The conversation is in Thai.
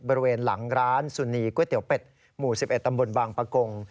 บริเวณหลังร้านสุนีก๋วยเตี๋ยวเป็ดหมู่๑๑ตำบลบางปะกง